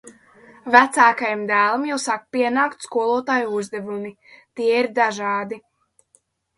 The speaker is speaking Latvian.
Vecākajam dēlam jau sāk pienākt skolotāju uzdevumi. Tie ir dažādi.